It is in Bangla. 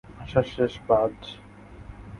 আশা শেষ, বায।